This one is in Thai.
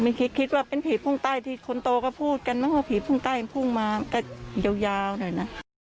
คิดว่าเป็นผีพุ่งใต้ที่คนโตก็พูดกันมั้งว่าผีพุ่งใต้พุ่งมาก็ยาวหน่อยนะ